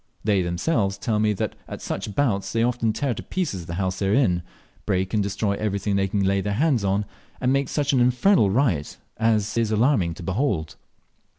They themselves tell me that at such bouts they often tear to pieces the house they are in, break and destroy everything they can lay their hands on, and make such an infernal riot as is alarming to behold.